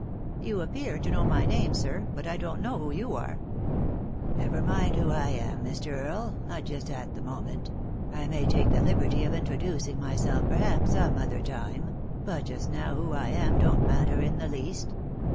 " You appear to know my name, air, but I don't know who you are." "Never mind who I am, Mr. Earle, not just at the moment ; I may take the liberty of introducing myself perhaps some other time ; but just now who I am don't matter in the least.